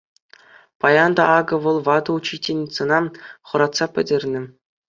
Паян та акӑ вӑл ватӑ учительницӑна хӑратса пӗтернӗ.